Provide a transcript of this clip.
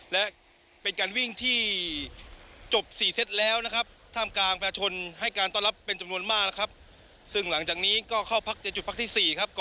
และเป็นการวิ่งที่จบ๔เซ็ตแล้วนะครับ